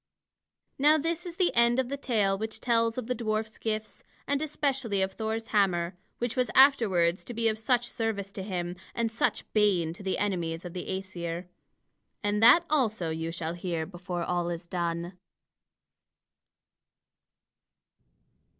Now this is the end of the tale which tells of the dwarf's gifts, and especially of Thor's hammer, which was afterwards to be of such service to him and such bane to the enemies of the Æsir. And that also you shall hear before all is done.